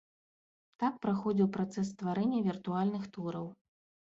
Так праходзіў працэс стварэння віртуальных тураў.